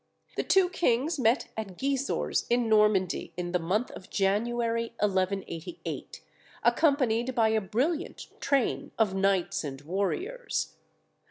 The two kings met at Gisors in Normandy in the month of January, 1188, accompanied by a brilliant train of knights and warriors.